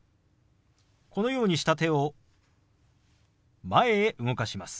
このようにした手を前へ動かします。